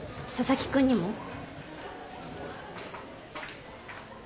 佐々木くんにも？